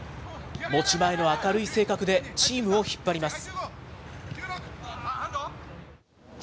持ち前の明るい性格で、チームを引っ張ります。